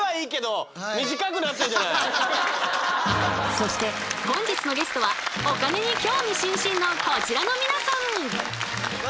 そして本日のゲストはお金に興味津々のこちらの皆さん！